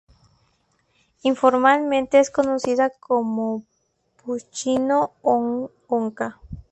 Informalmente es conocida como Pushchino-on-Oka.